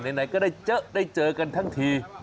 ไหนก็ได้เจอกันทั้งที